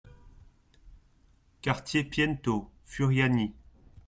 Quartier Piento, Furiani